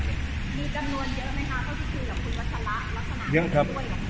ผมก่อนหน้าเอาแหง่สัมภาษณ์